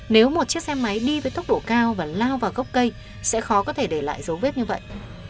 nếu một chiếc xe máy đi với tốc độ cao và lao vào gốc cây sẽ khó có thể để lại dấu vết như vậy